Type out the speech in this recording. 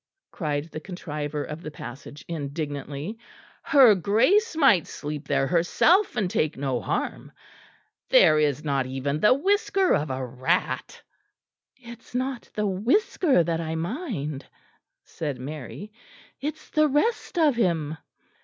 cried the contriver of the passage indignantly, "her Grace might sleep there herself and take no harm. There is not even the whisker of a rat." "It is not the whisker that I mind," said Mary, "it is the rest of him."